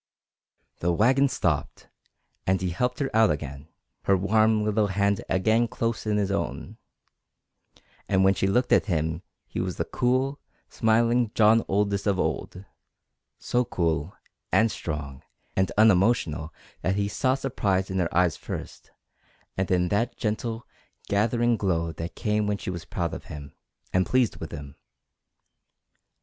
The wagon stopped, and he helped her out again, her warm little hand again close in his own, and when she looked at him he was the cool, smiling John Aldous of old, so cool, and strong, and unemotional that he saw surprise in her eyes first, and then that gentle, gathering glow that came when she was proud of him, and pleased with him.